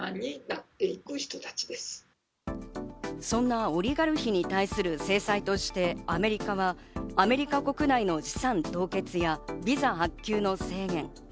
そんなオリガルヒに対する制裁としてアメリカは、アメリカ国内の資産凍結やビザ発給の制限。